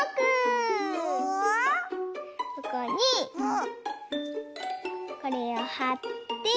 ここにこれをはって。